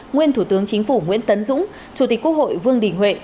nguyên thủ tướng chính phủ nguyễn tấn dũng chủ tịch quốc hội vương đình huệ